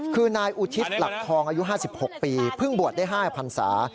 คือนายอุทิศหลักทองอายุห้าสิบหกปีเพิ่งบวชได้ห้าพันศา